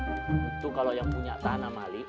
itu kalau yang punya tanah malik